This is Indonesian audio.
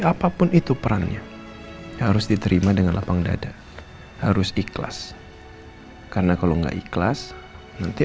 apapun itu perannya harus diterima dengan lapang dada harus ikhlas karena kalau enggak ikhlas nanti